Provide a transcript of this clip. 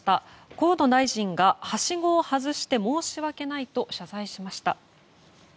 河野大臣がはしごを外して申し訳ないと謝罪しました。